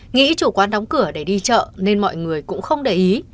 nghĩ chủ quán đóng cửa để đi chợ nên mọi người cũng không để ý